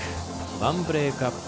１ブレークアップ